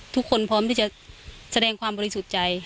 พร้อมที่จะแสดงความบริสุทธิ์ใจ